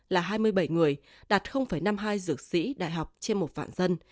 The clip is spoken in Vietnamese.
là hai mươi bảy người đạt năm mươi hai dược sĩ đại học trên một vạn dân